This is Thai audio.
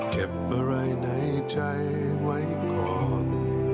เก็บอะไรในใจไว้ก่อน